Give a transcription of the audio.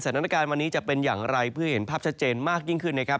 สถานการณ์วันนี้จะเป็นอย่างไรเพื่อเห็นภาพชัดเจนมากยิ่งขึ้นนะครับ